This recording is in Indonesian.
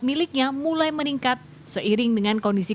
miliknya mulai meningkat seiring dengan kondisi